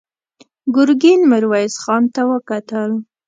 ګرګين ميرويس خان ته وکتل.